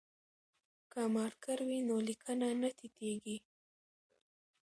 که مارکر وي نو لیکنه نه تتېږي.